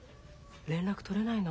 連絡取れないの？